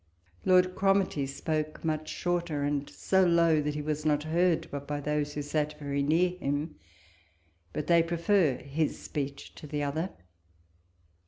Lord Cromartie spoke much shorter, and so low, that he was not heard but by those who sat very near him ; but they prefer his speech to the other.